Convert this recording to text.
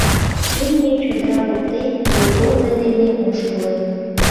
Имне чодыра воктен, йолгорно дене ошкылын.